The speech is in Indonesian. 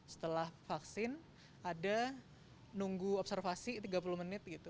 setelah vaksin ada nunggu observasi tiga puluh menit gitu